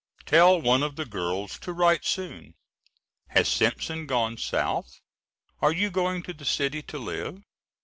Tell one of the girls to write soon. Has Simpson gone South? Are you going to the city to live?